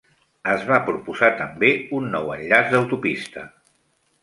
Es va proposar també un nou enllaç d'autopista.